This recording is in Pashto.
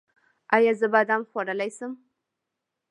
ایا زه بادام خوړلی شم؟